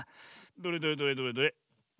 どれどれどれどれどれ。